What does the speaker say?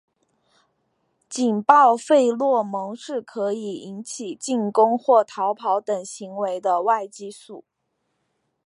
警报费洛蒙是可以引发进攻或逃跑等行为的外激素。